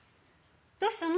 どうしたの？